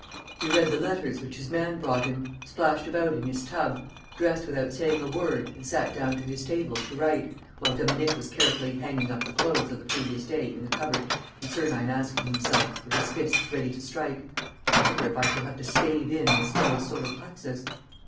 He read the letters which his man brought him, splashed about in his tub, dressed without saying a word and sat down to his table to write, while Dominique was carefully hanging up the clothes of the previous day in the cupboard and Sernine asking himself, with his fists ready to strike: "I wonder if I shall have to stave in this fellow's solar plexus?"